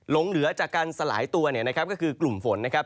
หลงเหลือจากการสลายตัวเนี่ยนะครับก็คือกลุ่มฝนนะครับ